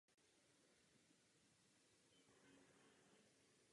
Třetinu půdního fondu tvoří lesy.